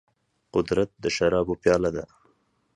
قدرت د شرابو پياله ده.